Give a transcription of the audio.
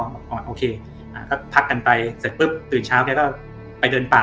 บอกก่อนโอเคก็พักกันไปเสร็จปุ๊บตื่นเช้าแกก็ไปเดินป่า